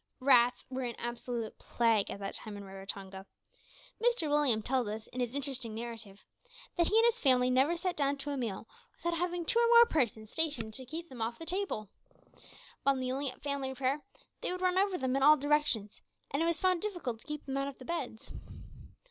Rats were an absolute plague at that time at Raratonga. Mr Williams tells us, in his interesting "Narrative," that he and his family never sat down to a meal without having two or more persons stationed to keep them off the table. When kneeling at family prayer, they would run over them in all directions, and it was found difficult to keep them out of the beds.